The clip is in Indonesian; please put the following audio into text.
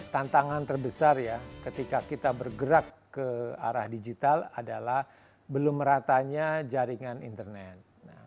tantangan terbesar ya ketika kita bergerak ke arah digital adalah belum meratanya jaringan internet